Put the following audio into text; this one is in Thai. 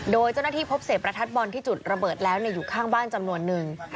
โดยเจ้าหน้าที่พบเศษประทัดบอลที่จุดระเบิดแล้วอยู่ข้างบ้านจำนวนนึง